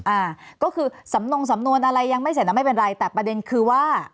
อ่าก็คือสำนงสำนวนอะไรยังไม่เสร็จนะไม่เป็นไรแต่ประเด็นคือว่า